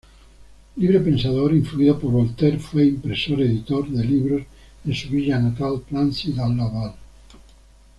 Libre pensador influido por Voltaire, fue impresor-editor de libros en su villa natal Plancy-l'Abbaye.